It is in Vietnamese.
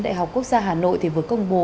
đại học quốc gia hà nội thì vừa công bố